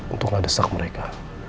untuk nggak desak mereka